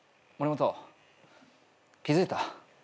本気付いた？